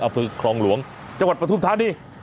อ่ะคือครองหลวงจังหวัดประทุพธานนี่